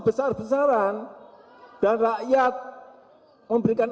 besar besaran dan rakyat memberikan